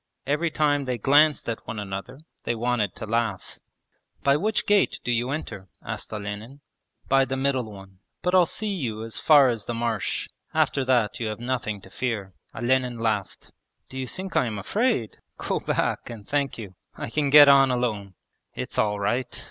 Every time they glanced at one another they wanted to laugh. 'By which gate do you enter?' asked Olenin. 'By the middle one. But I'll see you as far as the marsh. After that you have nothing to fear.' Olenin laughed. 'Do you think I am afraid? Go back, and thank you. I can get on alone.' 'It's all right!